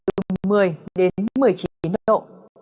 đến một mươi chín độ